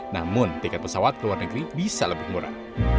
namun tiket pesawat ke luar negeri bisa lebih murah